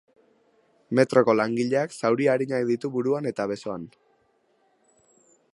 Metroko langileak zauri arinak ditu buruan eta besoan.